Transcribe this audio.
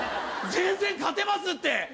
全然勝てますって！